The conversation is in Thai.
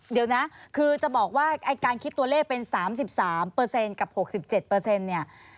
เดี๋ยวนะคือจะบอกว่าการคิดตัวเลขเป็น๓๓กับ๖๗เนี่ย